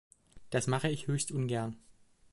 Das mache ich höchst ungern.